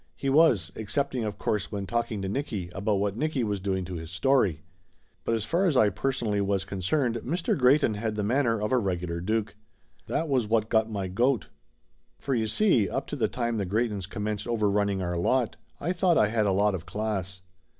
He was, excepting of course when talking to Nicky about what Nicky was doing to his story. But as far as I personally was concerned Mr. Greyton had the manner of a regular duke. That was what got my goat. For you see. up to the time the Greytons commenced overrunning our lot I thought I had a lot of class.